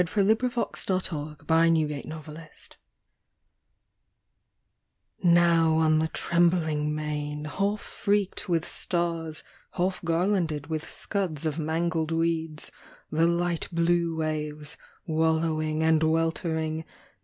O welcome thou ! November, 1902. AN OCEAN SCENE. NOW on the ixembling main, half freak'd with stars. Half garlanded with scuds of mangled weeds, The light blue waves, wallowing and weltering.